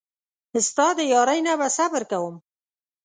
ستا د یارۍ نه به صبر کوم.